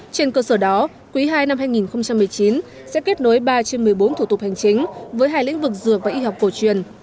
trên cơ sở đó quý ii năm hai nghìn một mươi chín sẽ kết nối ba trên một mươi bốn thủ tục hành chính với hai lĩnh vực dược và y học cổ truyền